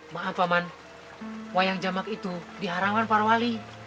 maaf pak man wayang jamak itu diharamkan para wali